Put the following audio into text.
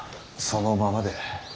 そのままで。